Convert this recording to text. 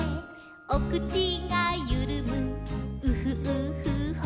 「おくちがゆるむウフウフほっぺ」